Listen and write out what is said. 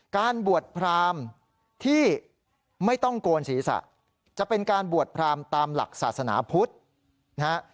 การบวชพรามที่ไม่ต้องโกนศีรษะจะเป็นการบวชพรามตามหลักศาสนาพุทธนะฮะ